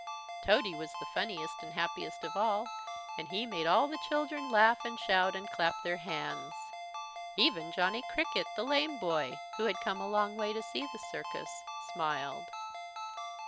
Tody was the funniest and happiest of all, and he made all the children laugh and shout and clap their hands. Even Johnny Cricket, the lame boy, who had come a long way to see the circus, smiled.